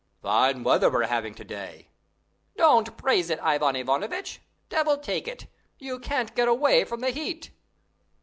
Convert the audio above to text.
"Fine weather we're having to day." "Don't praise it, Ivan Ivanovitch! Devil take it! You can't get away from the heat."